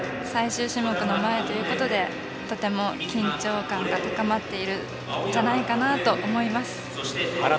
この雰囲気、ライトと最終種目の前ということでとても、緊張感が高まっているんじゃないかなと思います。